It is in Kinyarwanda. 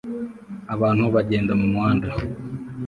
Abantu bagenda mumuhanda